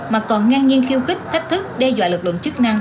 mà còn ngang nhiên khiêu khích thách thức đe dọa lực lượng chức năng